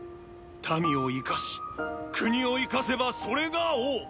民を生かし国を生かせばそれが王。